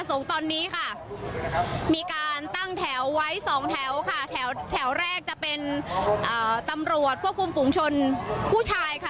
สองแถวค่ะแถวแถวแรกจะเป็นอ่าตำรวจควบคุมฝุงชนผู้ชายค่ะ